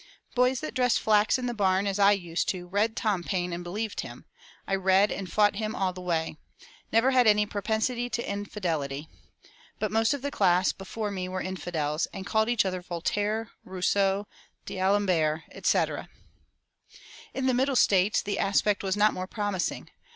Boys that dressed flax in the barn, as I used to, read Tom Paine and believed him; I read and fought him all the way. Never had any propensity to infidelity. But most of the class before me were infidels, and called each other Voltaire, Rousseau, D'Alembert, etc."[231:1] In the Middle States the aspect was not more promising.